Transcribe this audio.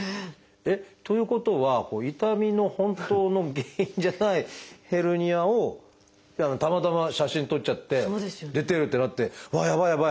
ということは痛みの本当の原因じゃないヘルニアをたまたま写真撮っちゃって出てる！ってなってうわっやばいやばい！